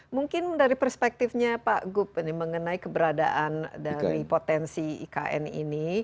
mungkin dari perspektifnya pak gup mengenai keberadaan dari potensi ikn ini